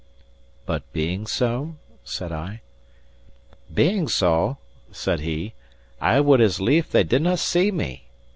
"But being so?" said I. "Being so," said he, "I would as lief they didnae see me.